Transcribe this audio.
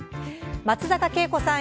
松坂慶子さん